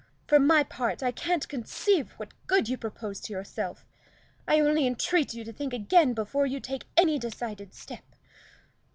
For my part, I can't conceive what good you propose to yourself. I only entreat you to think again before you take any decided step."